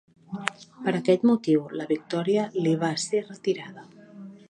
Per aquest motiu la victòria li va ser retirada.